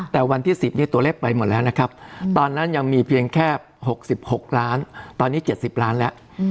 แต่วันที่๑๐ตัวเลขไปหมดแล้วนะครับตอนนั้นยังมีเพียงแค่๖๖ล้านตอนนี้๗๐ล้านแล้ว